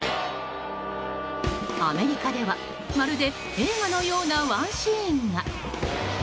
アメリカでは、まるで映画のようなワンシーンが。